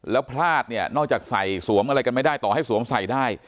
แล้วพลาดเนี่ยนอกจากใส่สวมอะไรกันไม่ได้ต่อให้สวมใส่ได้